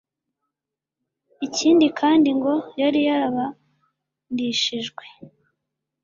ikindi kandi ngo yari yarabandishijwe